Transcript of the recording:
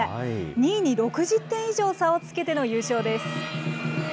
２位に６０点以上の差をつけての優勝です。